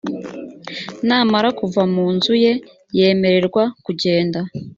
namara kuva mu nzu ye yemererwa kugenda